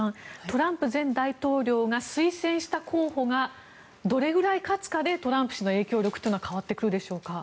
トランプ前大統領が推薦した候補がどれぐらい勝つかでトランプ氏の影響力というのは変わってくるでしょうか。